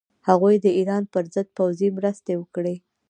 هغوی د ایران پر ضد پوځي مرسته وکړي.